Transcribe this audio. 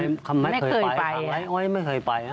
ไม่เคยไปทางไล่อ้อยไม่เคยไป